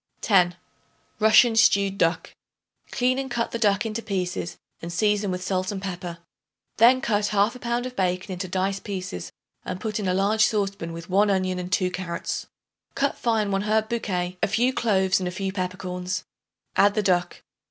10. Russian Stewed Duck. Clean and cut the duck into pieces and season with salt and pepper; then cut 1/2 pound of bacon into dice pieces and put in a large saucepan with 1 onion and 2 carrots. Cut fine 1 herb bouquet, a few cloves and a few peppercorns; add the duck.